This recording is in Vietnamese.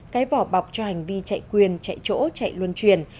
cái vỏ bọc cho hành vi chạy quyền chạy chỗ chạy luân truyền